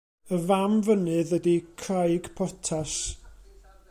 Y fam fynydd ydy Craig Portas.